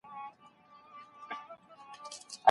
شاګرد کولای سي د لوړ ږغ سره پاڼه ړنګه کړي.